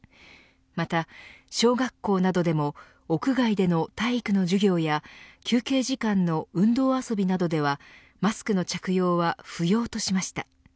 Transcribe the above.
また小学校などでも屋外での体育の授業や休憩時間の運動遊びなどではマスクの着用は不要としました。